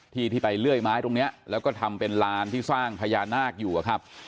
ที่ที่ไปเลื่อยไม้ตรงนี้แล้วก็ทำเป็นลานที่สร้างพญานาคอยู่อะครับ